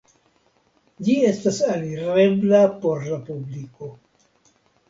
Ĝi estas alirebla por publiko.